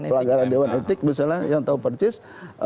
pelanggaran dewan etik misalnya yang tahu persis